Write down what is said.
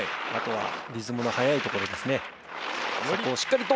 あとはリズムの速いところです。